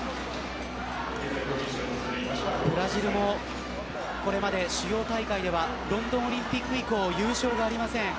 ブラジルもこれまで、主要大会ではロンドンオリンピック以降優勝がありません。